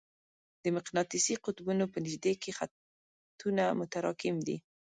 د مقناطیسي قطبونو په نژدې کې خطونه متراکم دي.